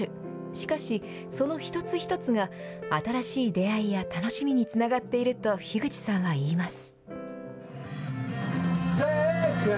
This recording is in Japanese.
しかし、その一つ一つが新しい出会いや楽しみにつながっていると樋口さんは言います。